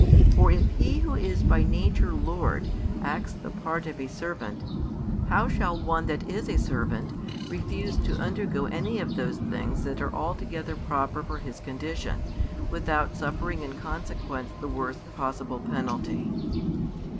For if He Who is by nature Lord acts the part of a servant, how shall one that is a servant refuse to undergo any of those things that are altogether proper for his condition, without suffering in consequence the worst possible penalty?